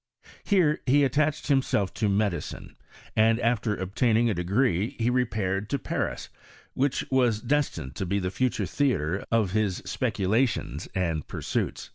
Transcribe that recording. Here he attached himself to medicine, and after obtain ing a degree he repaired to Paris, which was des tined to be the future theatre of his speculations and pursuits.